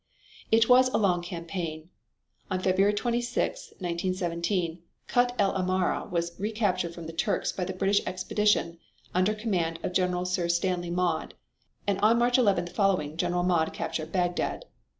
It was a long campaign. On February 26, 1917, Kut el Amara was recaptured from the Turks by the British expedition under command of General Sir Stanley Maude, and on March 11th following General Maude captured Bagdad.